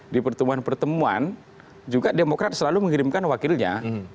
di pertemuan pertemuan juga demokrat selalu mengirimkan wakilnya